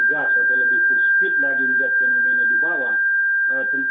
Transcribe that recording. dan ormas ormas kita juga negas atau lebih perspid lagi melihat fenomena di bawah